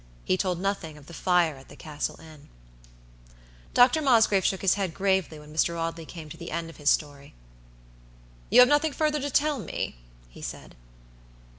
He told nothing of the fire at the Castle Inn. Dr. Mosgrave shook his head, gravely, when Mr. Audley came to the end of his story. "You have nothing further to tell me?" he said.